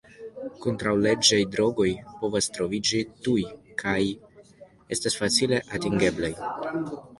Kontraŭleĝaj drogoj povas troviĝi tuj kaj estas facile atingeblaj.